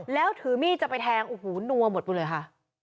แล้วถือมีดจะไปแทงโอ้โหนัวหมดไปเลยค่ะ